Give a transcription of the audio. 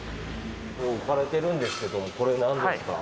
置かれてるんですけれどもこれなんですか？